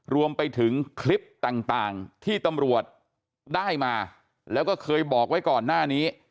รวมไปถึงคลิปต่างที่ตำรวจได้มาแล้วก็เคยบอกไว้ก่อนหน้านี้